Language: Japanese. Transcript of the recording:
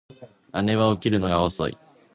姉は起きるのが遅い